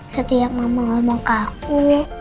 setiap ngomong ngomong ke aku